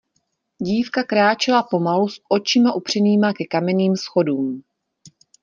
Dívka kráčela pomalu s očima upřenýma ke kamenným schodům.